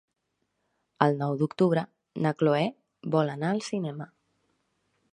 El nou d'octubre na Cloè vol anar al cinema.